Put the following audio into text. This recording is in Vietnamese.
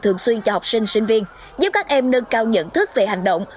thường xuyên cho học sinh sinh viên giúp các em nâng cao nhận thức về hành động